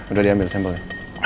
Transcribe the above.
udah diambil sampelnya